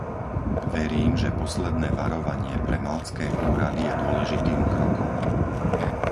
Verím, že posledné varovanie pre maltské úrady je dôležitým krokom.